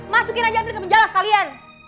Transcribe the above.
masukin aja april ke penjelas kalian